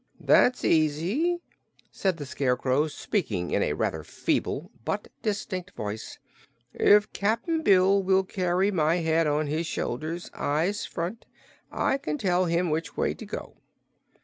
"That's easy," said the Scarecrow, speaking in a rather feeble but distinct voice. "If Cap'n Bill will carry my head on his shoulders, eyes front, I can tell him which way to go."